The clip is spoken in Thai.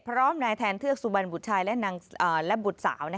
พร้อมนายแทนเทือกสุบันบุตรชายและบุตรสาว